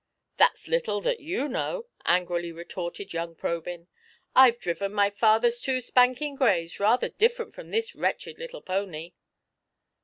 "That's little that you know," angrily retorted young Probyn ;" I've driven my father's two spanking grays, rather different from this wretched little pony